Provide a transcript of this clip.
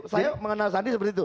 saya mengenal sandi seperti itu